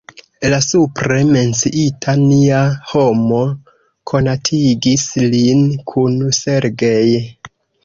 La supre menciita Nia Homo konatigis lin kun Sergej.